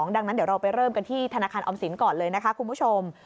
ดังนั้นเดี๋ยวเราไปเริ่มกันที่ธนาคารออมสินก่อนเลยนะคะคุณผู้ชม